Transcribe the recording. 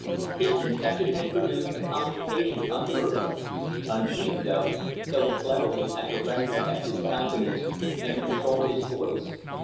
His confession had produced a complication unheard of, undreamed of, so cleverly had the rector kept his countenance and controlled his voice.